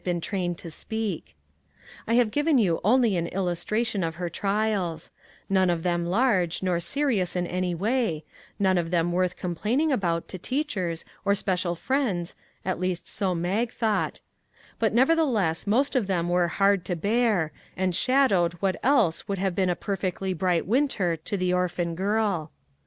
been trained to speak. I have given you 334 MAG'S WAGES only an illustration of her trials; none of them large, nor serious in any way; none of them worth complaining about to teachers or special friends, at least so Mag thought ; but neverthe less most of them were hard to bear, and shadowed what else would have been a per fectly bright winter to the orphan girl.